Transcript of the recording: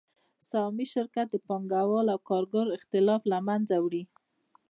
سهامي شرکت د پانګوال او کارګر اختلاف له منځه وړي